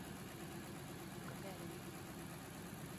Nunca queren.